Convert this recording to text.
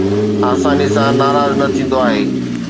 آسانيءَ سان ناراض نه ٿيندو آهي